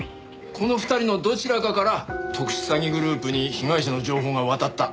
この２人のどちらかから特殊詐欺グループに被害者の情報が渡った。